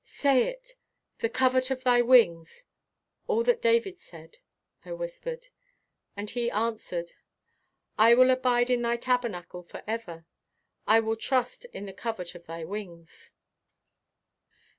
"Say it 'the covert of thy wings' all that David said," I whispered. And he answered: "'I will abide in thy tabernacle forever: I will trust in the covert of thy wings.'"